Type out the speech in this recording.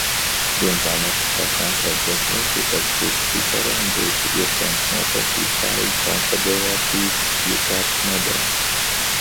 Diemžēl nepastāv konkrēta definīcija, pēc kuras kritērijiem būtu iespējams noteikt vispārīgu konfederatīvu iekārtas modeli.